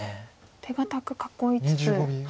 手堅く囲いつつ。